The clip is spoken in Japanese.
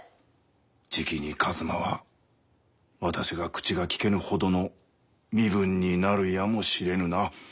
じきに一馬は私が口がきけぬほどの身分になるやもしれぬな。